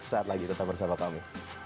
saat lagi tetap bersama kami